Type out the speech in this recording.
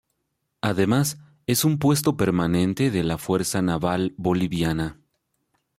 Además, es un puesto permanente de la Fuerza Naval Boliviana.